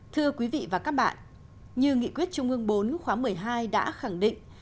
thưa quý vị và các bạn như nghị quyết trung ương bốn khóa một mươi hai đã khẳng định